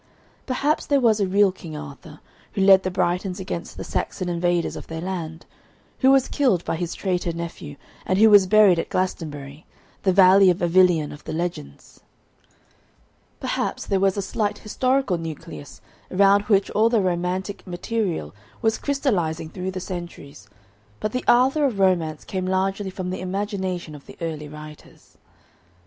Perhaps there was a real King Arthur, who led the Britons against the Saxon invaders of their land, who was killed by his traitor nephew, and who was buried at Glastonbury, the valley of Avilion of the legends; perhaps there was a slight historical nucleus around which all the romantic material was crystallising through the centuries, but the Arthur of romance came largely from the imagination of the early writers.